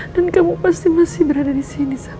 dan kamu pasti masih berada di sini sama mama